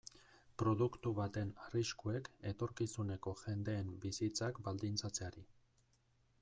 Produktu baten arriskuek etorkizuneko jendeen bizitzak baldintzatzeari.